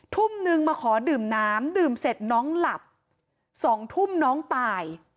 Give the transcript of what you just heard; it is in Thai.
ทุ่มนึงมาขอดื่มน้ำดื่มเสร็จน้องหลับ๒ทุ่มน้องตาย